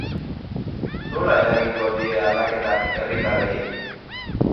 Nola eragingo die aldaketak herritarrei?